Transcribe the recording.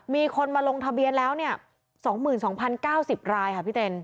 มีคนมาลงทะเบียนแล้ว๒๒๐๙๐รายค่ะพี่เต้น